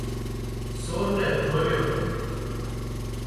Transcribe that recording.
سور نين کوليو